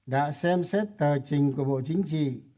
đã xem xét tờ trình của bộ chính trị